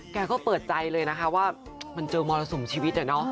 แกก็เปิดใจเลยนะคะว่ามันเจอมรสุมชีวิตอะเนาะ